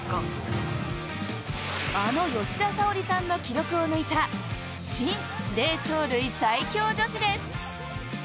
あの吉田沙保里さんの記録を抜いた新霊長類最強女子です。